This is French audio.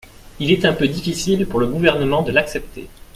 Il est un peu difficile pour le Gouvernement de l’accepter.